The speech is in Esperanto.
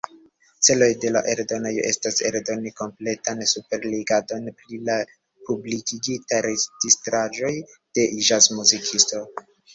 Celo de la eldonejo estas, eldoni kompletan superrigardon pri la publikigitaj registraĵoj de ĵazmuzikisto.